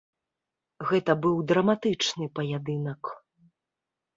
Гэта быў драматычны паядынак.